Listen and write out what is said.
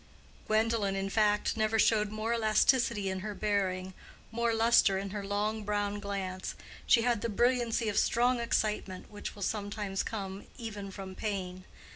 Gwendolen, in fact, never showed more elasticity in her bearing, more lustre in her long brown glance: she had the brilliancy of strong excitement, which will sometimes come even from pain.